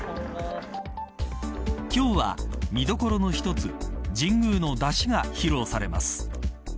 今日は、見どころの一つ神宮の山車が披露されます。